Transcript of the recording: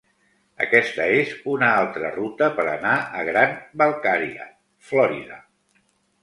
Aquesta és una altra ruta per anar a Grant-Valkaria, Florida.